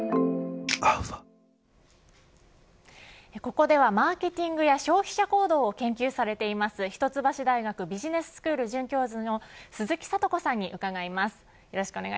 ここではマーケティングや消費者行動を研究されている一橋大学ビジネススクール准教授の鈴木智子さんに伺います。